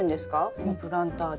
このプランターで。